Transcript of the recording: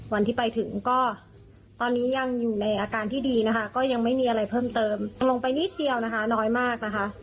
วันที่ไปถึงก็ตอนนี้ยังอยู่ในอาการที่ดีนะคะก็ยังไม่มีอะไรเพิ่มเติมลงไปนิดเดียวนะคะน้อยมากนะคะ